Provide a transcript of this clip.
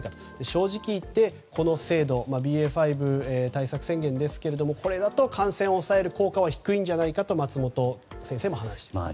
正直言って、この制度ＢＡ．５対策強化宣言ですがこれだと感染を抑える効果は低いんじゃないかと松本先生の話です。